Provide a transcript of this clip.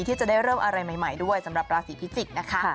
ที่จะได้เริ่มอะไรใหม่ด้วยสำหรับราศีพิจิกษ์นะคะ